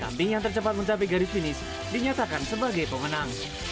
samping yang tercepat mencapai garis finish dinyatakan sebagai pemenang